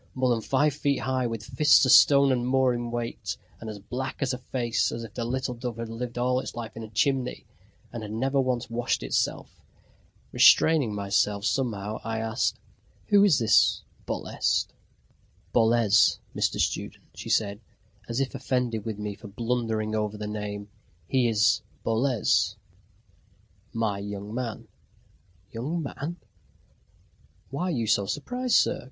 more than five feet high, with fists a stone and more in weight, and as black a face as if the little dove had lived all its life in a chimney, and had never once washed itself! Restraining myself somehow, I asked: "Who is this Bolest?" "Boles, Mr. Student," she said, as if offended with me for blundering over the name, "he is Boles my young man." "Young man!" "Why are you so surprised, sir?